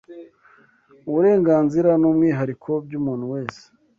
uburenganzira n’umwihariko by’umuntu wese